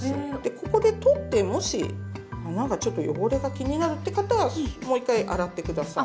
ここで取ってもし穴がちょっと汚れが気になるって方はもう１回洗って下さい。